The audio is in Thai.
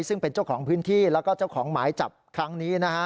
ซึ่งเป็นเจ้าของพื้นที่แล้วก็เจ้าของหมายจับครั้งนี้นะฮะ